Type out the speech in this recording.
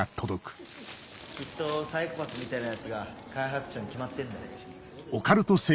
きっとサイコパスみたいなヤツが開発者に決まってんだよ。